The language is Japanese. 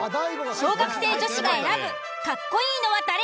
小学生女子が選ぶカッコいいのは誰？